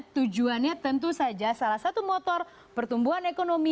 tujuannya tentu saja salah satu motor pertumbuhan ekonomi